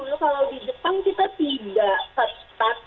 kalau di jepang kita tidak